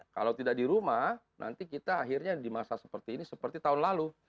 kalau tidak di rumah nanti kita akhirnya di masa seperti ini seperti tahun lalu